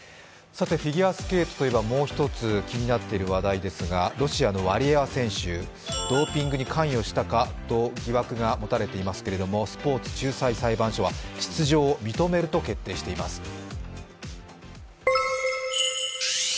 フィギュアスケートといえばもう一つ、気になっている話題ですがロシアのワリエワ選手ドーピングに関与したかと疑惑を持たれていますがスポーツ仲裁裁判所は出場を認めると決定しています。